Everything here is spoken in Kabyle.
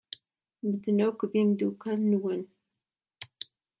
Medden-a akk d imeddukal-nwent?